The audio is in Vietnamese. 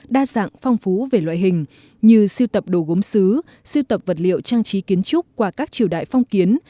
đa dạng phong phú về loại hình như siêu tập đồ gốm xứ siêu tập vật liệu trang trí kiến trúc qua các triều đại phong kiến